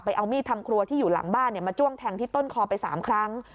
เอามีดทำครัวที่อยู่หลังบ้านมาจ้วงแทงที่ต้นคอไป๓ครั้ง